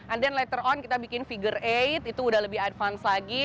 and then letter on kita bikin figure delapan itu udah lebih advance lagi